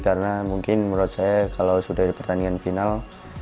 karena mungkin menurut saya kalau sudah di pertandingan final